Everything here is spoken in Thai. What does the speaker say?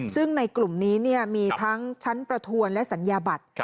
ซึ่งในกลุ่มนี้มีทั้งชั้นประทวนและสัญญาบัตร